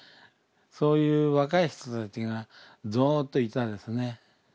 そういう若い人たちがゾッといたんですね。